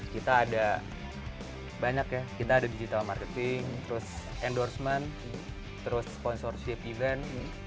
kita ada banyak ya kita ada digital marketing terus endorsement terus sponsorship event